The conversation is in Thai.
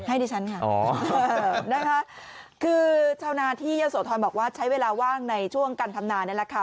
ดิฉันค่ะอ๋อนะคะคือชาวนาที่เยอะโสธรบอกว่าใช้เวลาว่างในช่วงการทำนานี่แหละค่ะ